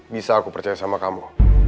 bisa aku percaya sama kamu